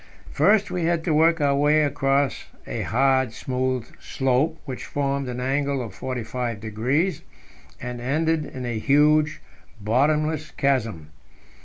First we had to work our way across a hard, smooth slope, which formed an angle of 45 degrees, and ended in a huge, bottomless chasm.